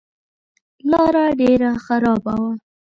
لاره ډېره خرابه وه.